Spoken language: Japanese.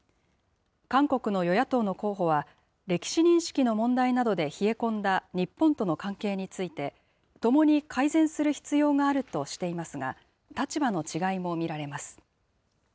韓国の与野党の候補は、歴史認識の問題などで冷え込んだ日本との関係について、ともに改善する必要があるとしていますが、立場の違いも見られます。